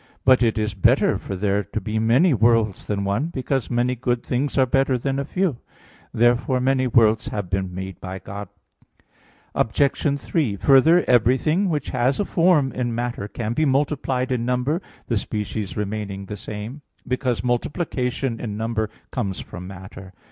But it is better for there to be many worlds than one, because many good things are better than a few. Therefore many worlds have been made by God. Obj. 3: Further, everything which has a form in matter can be multiplied in number, the species remaining the same, because multiplication in number comes from matter.